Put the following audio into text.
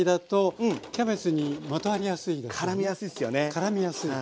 からみやすい。